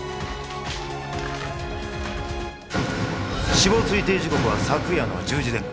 死亡推定時刻は昨夜の１０時前後。